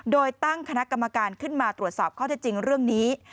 โดยตั้งคณะกรรมการขึ้นมาตรวจสอบข้อเท็จจริงเรื่องนี้